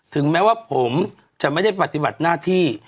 ถึงแม้ว่าผมจะไม่ได้ปฏิบัติหน้าที่